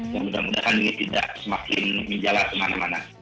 dan mudah mudahan ini tidak semakin menjala kemana mana